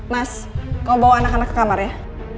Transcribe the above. mas mau bawa anak anak ke kamar ya